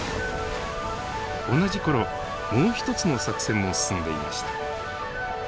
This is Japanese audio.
同じ頃もう一つの作戦も進んでいました。